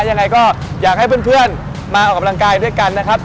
ยังไงก็อยากให้เพื่อนมาออกกำลังกายด้วยกันนะครับ